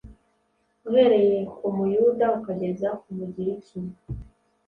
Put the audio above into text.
uhereye ku Muyuda ukageza ku Mugiriki